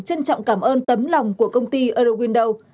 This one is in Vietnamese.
trân trọng cảm ơn tấm lòng của công ty eurowindow